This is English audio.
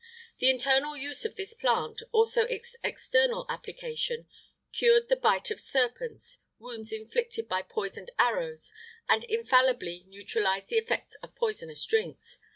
The internal use of this plant, also its external application, cured the bite of serpents, wounds inflicted by poisoned arrows, and infallibly neutralized the effects of poisonous drinks.